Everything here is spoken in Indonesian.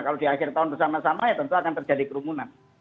kalau di akhir tahun bersama sama ya tentu akan terjadi kerumunan